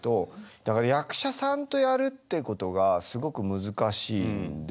だから役者さんとやるってことがすごく難しいんですよね。